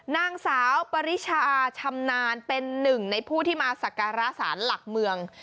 นางสาวปริชาชำนาญเป็นหนึ่งในผู้ที่มาสักการะสารหลักเมือง